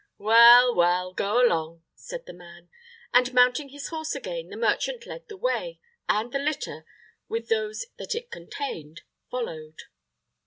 "Well, well, go along," said the man; and, mounting his horse again, the merchant led the way; and the litter, with those that it contained, followed.